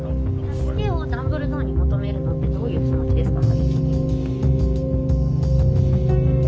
助けをダンブルドアに求めるのってどういう気持ちですか？